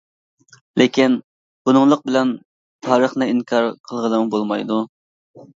لېكىن، بۇنىڭلىق بىلەن تارىخنى ئىنكار قىلغىلىمۇ بولمايدۇ.